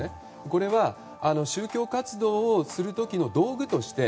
これは宗教活動をする時の道具として